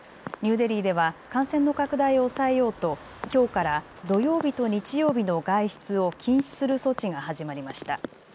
ニューデリーでは感染の拡大を抑えようと、きょうから土曜日と日曜日の外出を禁止する措置が始まりました。